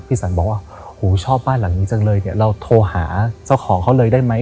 สันบอกว่าโหชอบบ้านหลังนี้จังเลยเนี่ยเราโทรหาเจ้าของเขาเลยได้ไหม